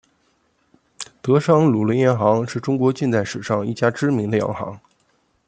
德商鲁麟洋行是中国近代史上一家知名的洋行。